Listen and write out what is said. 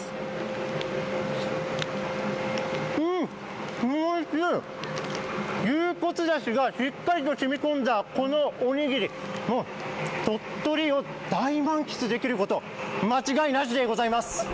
うん、おいしい、牛骨だしがしっかりと染み込んだこのおにぎり、鳥取を大満喫できること間違いなしでございます。